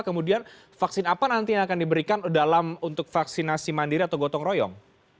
kemudian vaksin apa nanti yang akan diberikan untuk vaksinasi mandiri atau gotong royong